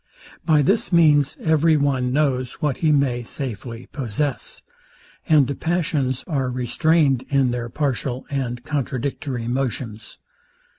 By this means, every one knows what he may safely possess; and the passions ale restrained in their partial and contradictory motions.